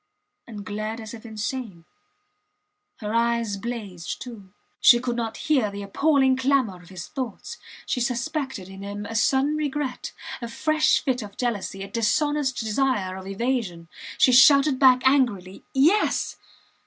and glared as if insane. Her eyes blazed, too. She could not hear the appalling clamour of his thoughts. She suspected in him a sudden regret, a fresh fit of jealousy, a dishonest desire of evasion. She shouted back angrily Yes!